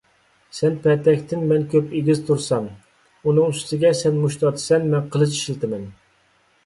سەن پەتەكتىن مەن كۆپ ئېگىز تۇرسام، ئۇنىڭ ئۈستىگە سەن مۇشت ئاتىسەن، مەن قىلىچ ئىشلىتىمەن.